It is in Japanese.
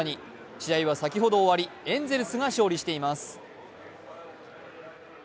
試合は先ほど終わりエンゼルスが勝利しています。